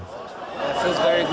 saya merasa sangat baik